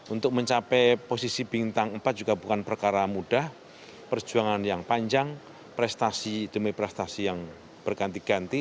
untuk mencapai posisi bintang empat juga bukan perkara mudah perjuangan yang panjang prestasi demi prestasi yang berganti ganti